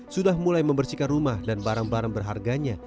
sudah mulai membersihkan rumah dan barang barang berharganya